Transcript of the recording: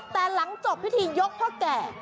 แต่หลังจบพิธียกพ่อแก่